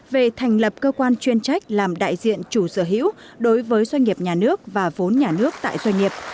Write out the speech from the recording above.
về thành lập cơ quan chuyên trách làm đại diện chủ sở hữu đối với doanh nghiệp nhà nước và vốn nhà nước tại doanh nghiệp